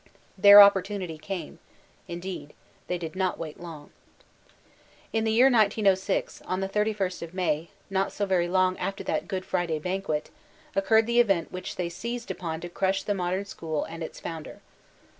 Their opportunity came ; indeed, they did not wait long. In the year 1906, on the 31st day of May, not so very long after that Good Friday banquet, occurred the event which they seized upon to crush the Modem School and its founder.